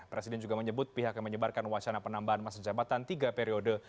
presiden juga menyebut pihak yang menyebarkan wacana penambahan masa jabatan tiga periode